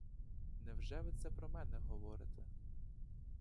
Невже ви це про мене говорите?